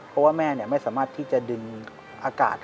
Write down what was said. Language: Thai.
เพราะว่าแม่ไม่สามารถที่จะดึงอากาศ